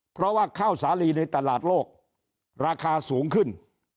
เพราะว่าข้าวสาลีในตลาดโลกราคาสูงขึ้น